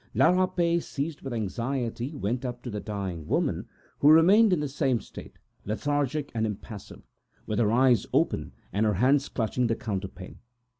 La Rapet was seized with anxiety, and went up to the dying woman, who was in the same state, lethargic and impassive, her eyes open and her hands clutching the counterpane.